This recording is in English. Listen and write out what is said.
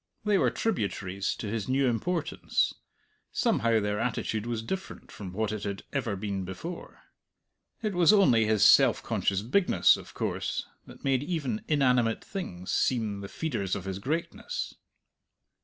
They were tributaries to his new importance somehow their attitude was different from what it had ever been before. It was only his self conscious bigness, of course, that made even inanimate things seem the feeders of his greatness.